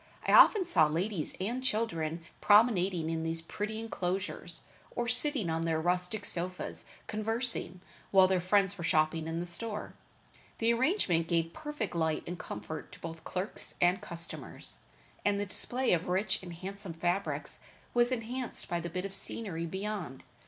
I often saw ladies and children promenading in these pretty inclosures, or sitting on their rustic sofas conversing, while their friends were shopping in the store. The arrangement gave perfect light and comfort to both clerks and customers, and the display of rich and handsome fabrics was enhanced by the bit of scenery beyond.